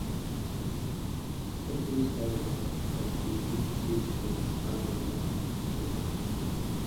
Suppose, however, that you pick "two" tickets rather than "one".